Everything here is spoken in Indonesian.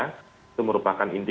itu merupakan intimidasi